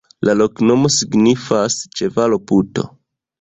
La loknomo signifas: ĉevalo-puto.